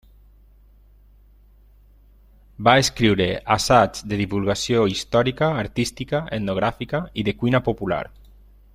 Va escriure assaigs de divulgació històrica, artística, etnogràfica i de cuina popular.